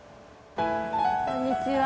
こんにちは。